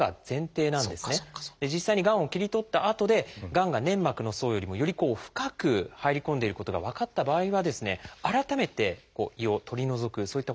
実際にがんを切り取ったあとでがんが粘膜の層よりもより深く入り込んでいることが分かった場合は改めて胃を取り除くそういったことをしなければいけなくなるんです。